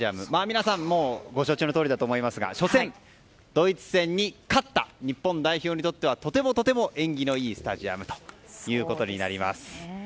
皆さんもうご承知のとおりだと思いますが初戦ドイツ戦に勝った日本代表にとってはとてもとても縁起のいいスタジアムです。